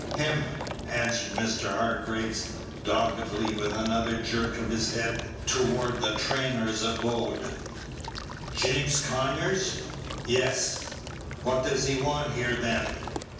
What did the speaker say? "Him," answered Mr. Hargraves, doggedly, with another jerk of his head toward the trainer's abode. "James Conyers?" "Yes." "What does he want here, then?"